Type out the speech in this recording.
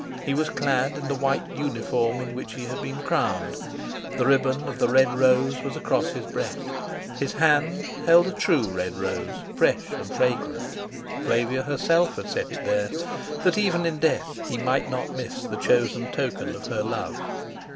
He was clad in the white uniform in which he had been crowned; the ribbon of the Red Rose was across his breast. His hand held a true red rose, fresh and fragrant; Flavia herself had set it there, that even in death he might not miss the chosen token of her love.